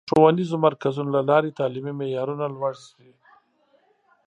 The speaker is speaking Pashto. د ښوونیزو مرکزونو له لارې تعلیمي معیارونه لوړ شي.